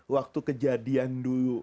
waktu kejadian dulu